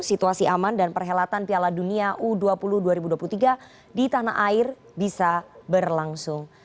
situasi aman dan perhelatan piala dunia u dua puluh dua ribu dua puluh tiga di tanah air bisa berlangsung